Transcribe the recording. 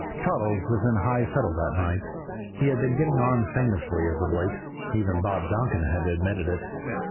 Toddles was in high fettle that night. He had been getting on famously of late; even Bob Donkin had admitted it.